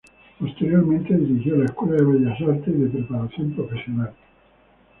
Posteriormente dirigió la Escuela de Bellas Artes y de preparación profesional.